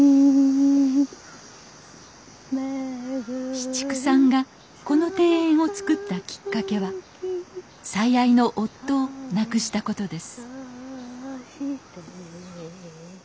紫竹さんがこの庭園を造ったきっかけは最愛の夫を亡くしたことです